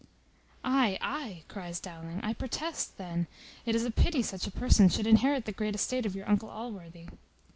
"Ay! ay!" cries Dowling; "I protest, then, it is a pity such a person should inherit the great estate of your uncle Allworthy."